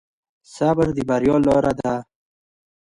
صبر د بریا لاره ده.